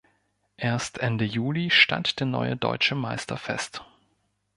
Erst Ende Juli stand der neue deutsche Meister fest.